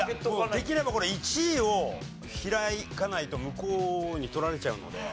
できればこれ１位を開かないと向こうに取られちゃうので。